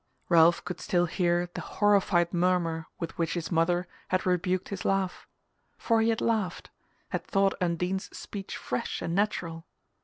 Ralph could still hear the horrified murmur with which his mother had rebuked his laugh. For he had laughed had thought Undine's speech fresh and natural!